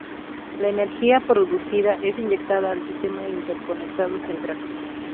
La energía producida es inyectada al Sistema Interconectado Central.